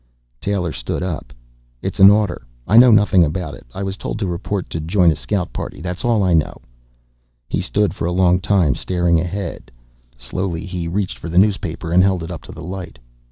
_" Taylor stood up. "It's an order. I know nothing about it. I was told to report to join a scout party. That's all I know." He stood for a long time, staring ahead. Slowly, he reached for the newspaper and held it up to the light.